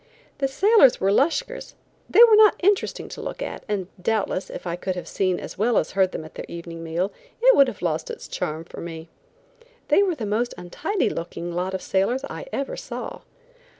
The sailors were Lascars. They were not interesting to look at, and doubtless, if I could have seen as well as heard them at their evening meal, it would have lost its charm for me. They were the most untidy looking lot of sailors I ever saw.